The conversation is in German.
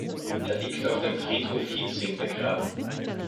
Er liegt auf dem Friedhof Hietzing begraben.